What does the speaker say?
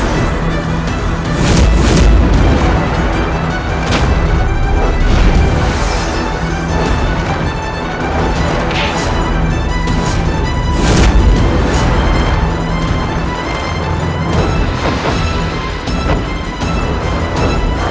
gw akan mencami membokong